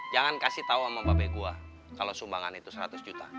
jangan kasih tahu sama bape gua kalau sumbangan itu seratus juta